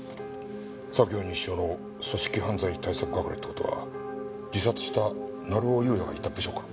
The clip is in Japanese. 左京西署の組織犯罪対策係って事は自殺した成尾優也がいた部署か。